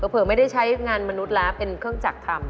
เผลอไม่ได้ใช้งานมนุษย์แล้วเป็นเครื่องจักรทำ